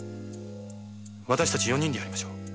私たち四人でやりましょう。